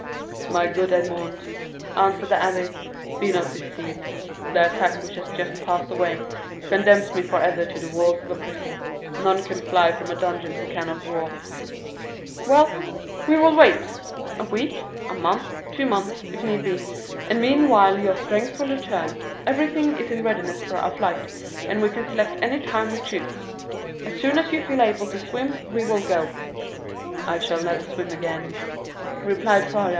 "My good Edmond," answered the abbé, "be not deceived. The attack which has just passed away, condemns me forever to the walls of a prison. None can fly from a dungeon who cannot walk." "Well, we will wait,—a week, a month, two months, if need be,—and meanwhile your strength will return. Everything is in readiness for our flight, and we can select any time we choose. As soon as you feel able to swim we will go." "I shall never swim again," replied Faria.